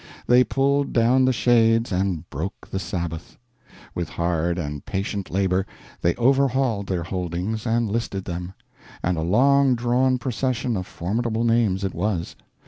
They pulled down the shades and broke the Sabbath. With hard and patient labor they overhauled their holdings and listed them. And a long drawn procession of formidable names it was!